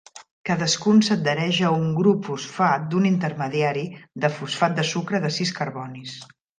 Cadascun s'adhereix a un grup fosfat d'un intermediari de fosfat de sucre de sis carbonis.